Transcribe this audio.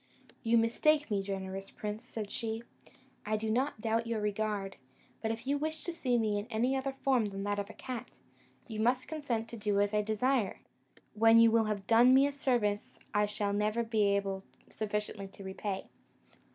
"You mistake me, generous prince," said she; "I do not doubt your regard; but if you wish to see me in any other form than that of a cat, you must consent to do as I desire, when you will have done me a service I shall never be able sufficiently to repay."